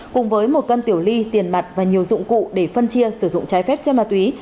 cùng với một cân tiểu ly tiền mặt và nhiều dụng cụ để phân chia sử dụng trái phép trên ma túy